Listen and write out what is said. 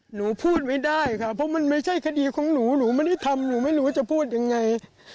หนูพูดไม่ได้ค่ะเพราะมันไม่ใช่คดีของหนูหนูไม่ได้ทำหนูไม่รู้ว่าจะพูดยังไง